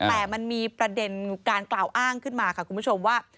แต่มันมีประเด็นการกล่าวอ้างขึ้นมาค่ะคุณผู้ชมว่า